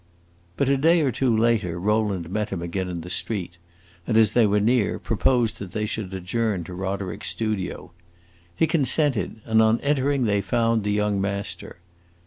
But a day or two later Rowland met him again in the street, and, as they were near, proposed they should adjourn to Roderick's studio. He consented, and on entering they found the young master.